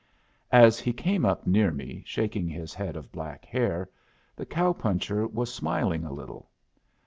As he came up near me, shaking his head of black hair, the cowpuncher was smiling a little.